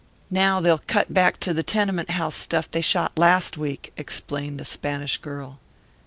"Now they'll cut back to the tenement house stuff they shot last week," explained the Spanish girl.